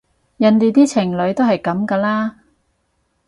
人哋啲情侶都係噉㗎啦